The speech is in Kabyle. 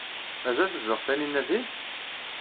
Mazal tezdeɣ Taninna din?